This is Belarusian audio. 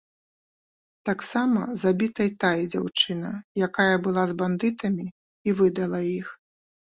Таксама забіта й тая дзяўчына, якая была з бандытамі і выдала іх.